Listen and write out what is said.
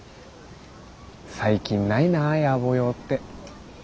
最近ないなぁ野暮用って。